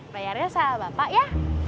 bayarnya sama bapak ya